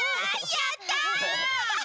やった！